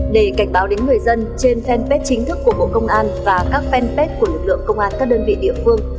để cảnh báo đến người dân trên fanpage chính thức của bộ công an và các fanpage của lực lượng công an các đơn vị địa phương